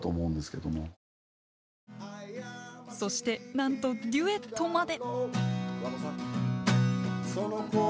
そしてなんとデュエットまで！